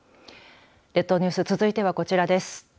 列島ニュース続いてはこちらです。